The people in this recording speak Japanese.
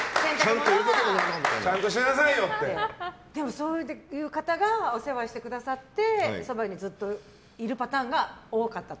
でもそういう方がお世話をしてくださってそばにずっといるパターンが多かったと？